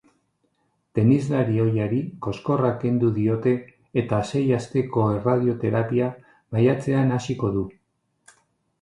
Tenislari ohiari koskorra kendu diote eta sei asteko erradioterapia maiatzean hasiko du.